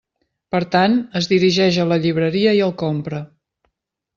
Per tant, es dirigeix a la llibreria i el compra.